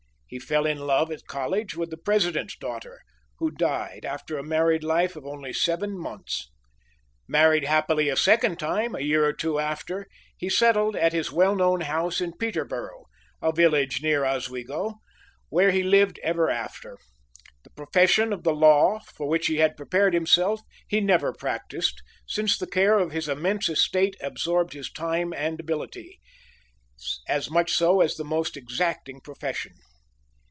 He fell in love at college with the president's daughter, who died after a married life of only seven months. Married happily a second time a year or two after, he settled at his well known house in Peterboro, a village near Oswego, where he lived ever after. The profession of the law, for which he had prepared himself, he never practiced, since the care of his immense estate absorbed his time and ability; as much so as the most exacting profession.